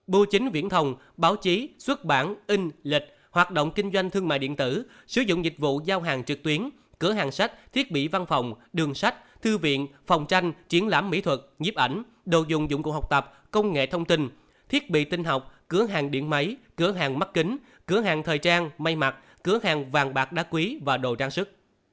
bảy bộ chính viễn thông báo chí xuất bản in lịch hoạt động kinh doanh thương mại điện tử sử dụng dịch vụ giao hàng trực tuyến cửa hàng sách thiết bị văn phòng đường sách thư viện phòng tranh triển lãm mỹ thuật nhiếp ảnh đồ dùng dụng cụ học tập công nghệ thông tin thiết bị tinh học cửa hàng điện máy cửa hàng mắt kính cửa hàng thời trang mây mặt cửa hàng vàng bạc đá quý và đồ trang sức